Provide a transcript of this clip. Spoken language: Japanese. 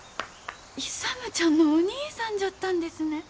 勇ちゃんのお兄さんじゃったんですね。